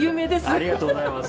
ありがとうございます。